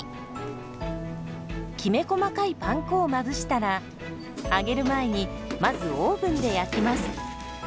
きめ細かいパン粉をまぶしたら揚げる前にまずオーブンで焼きます。